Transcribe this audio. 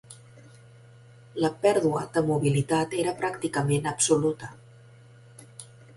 La pèrdua de mobilitat era pràcticament absoluta.